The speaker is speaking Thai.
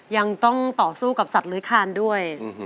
ยังต้องต่อสู้กับสัตว์เลื้อยคานด้วย